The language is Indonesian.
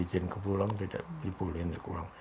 izin pulang tidak dibolehin pulang